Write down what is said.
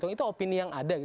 itu opini yang ada